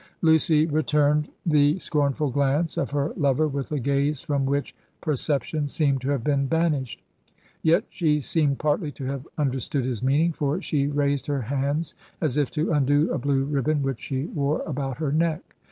Lucy returned the 98 Digitized by VjOOQIC THREE OF SCOTT'S HEROINES scornful glance of her lover with a gaze from which perception seemed to have been banished ; yet she seemed partly to have understood his meaning, for she raised her hands as if to undo a blue ribbon which she wore about her neck.